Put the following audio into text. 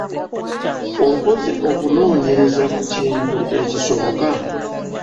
Okoze okunoonyereza ku kintu ekisoboka?